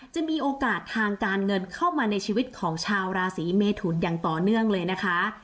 จะมีโอกาสทางการเงินเข้ามาในชีวิตของชาวราศีเมทุนอย่างต่อเนื่องเลยนะคะ